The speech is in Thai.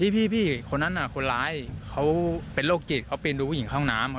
พี่พี่พี่คนนั้นอะคนร้ายเขาเป็นโรคจิตเค้าพิงดูวิหญิงเข้าน้ำ